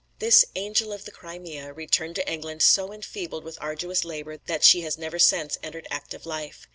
This "Angel of the Crimea" returned to England so enfeebled with arduous labour that she has never since entered active life.